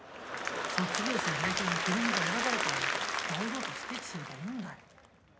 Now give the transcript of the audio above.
卒業生代表に久留美が選ばれたんだから堂々とスピーチすればいいんだよ。